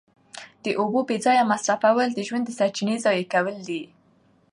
د اوبو بې ځایه مصرفول د ژوند د سرچینې ضایع کول دي.